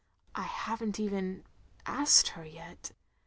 I have n't even — masked her, yet.